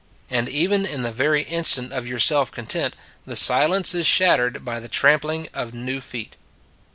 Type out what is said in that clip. And even in the very instant of your self content, the silence is shattered by the trampling of new feet.